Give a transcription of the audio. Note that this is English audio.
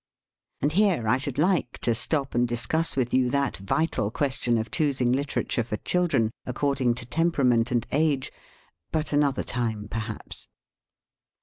And here I should like to stop and discuss with you that vital question of choosing literature for children, according to temperament and age but another time, perhaps.